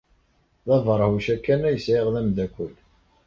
D abeṛhuc-a kan ay sɛiɣ d ameddakel.